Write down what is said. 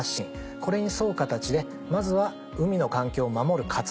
これに沿う形でまずは海の環境を守る活動